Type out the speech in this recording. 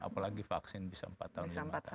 apalagi vaksin bisa empat tahun lima tahun